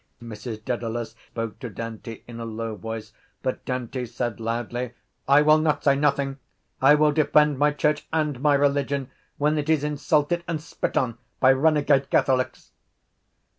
Mrs Dedalus spoke to Dante in a low voice but Dante said loudly: —I will not say nothing. I will defend my church and my religion when it is insulted and spit on by renegade catholics.